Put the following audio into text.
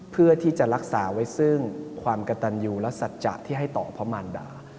เพื่อที่จะรักษาไว้ซึ่งความกระตันยูและสัจจะที่ให้ต่อพระมารดา